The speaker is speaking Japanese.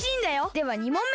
では２もんめ！